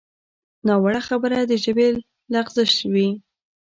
ناوړه خبره د ژبې لغزش وي